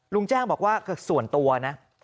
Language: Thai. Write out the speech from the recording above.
ลุงแจ้งบอกว่าส่วนตัวนะ